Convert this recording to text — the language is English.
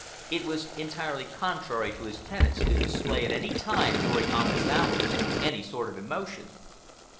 It was entirely contrary to his tenets to display at any time during office hours any sort of emotion.